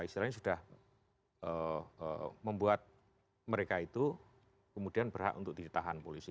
istilahnya sudah membuat mereka itu kemudian berhak untuk ditahan polisi